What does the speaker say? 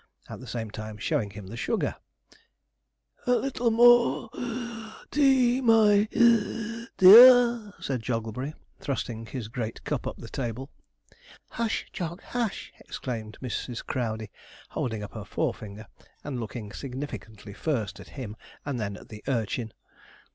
at the same time showing him the sugar. 'A little more (puff) tea, my (wheeze) dear,' said Jogglebury, thrusting his great cup up the table. 'Hush! Jog, hush!' exclaimed Mrs. Crowdey, holding up her forefinger, and looking significantly first at him, and then at the urchin.